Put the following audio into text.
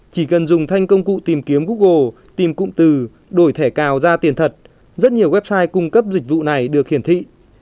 chỉ cần dùng thanh công cụ tìm kiếm google tìm cụm từ đổi thẻ cào ra tiền thật rất nhiều website cung cấp dịch vụ này được hiển thị